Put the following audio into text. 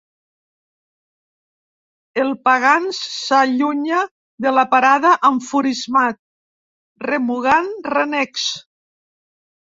El Pagans s'allunya de la parada enfurismat, remugant renecs.